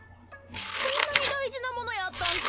そんなにだいじなものやったんか？